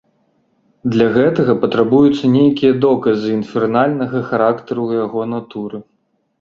Для гэтага патрабуюцца нейкія доказы інфернальнага характару яго натуры.